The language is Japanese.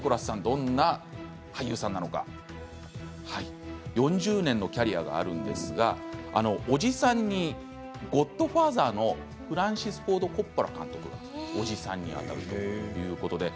どんな俳優さんなのか４０年のキャリアがあるんですが叔父さんに「ゴッドファーザー」のフランシス・フォード・コッポラ監督が叔父さんにあたるということです。